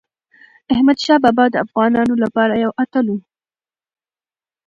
احمدشاه بابا د افغانانو لپاره یو اتل و.